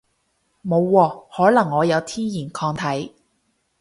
冇喎，可能我有天然抗體